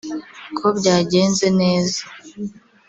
ko byagenze neza